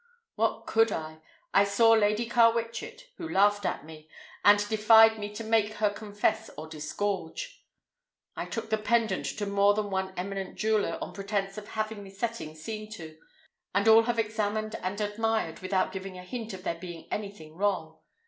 "What could I? I saw Lady Carwitchet, who laughed at me, and defied me to make her confess or disgorge. I took the pendant to more than one eminent jeweler on pretense of having the setting seen to, and all have examined and admired without giving a hint of there being anything wrong.